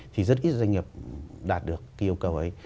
thì rất ít doanh nghiệp đạt được cái yêu cầu ấy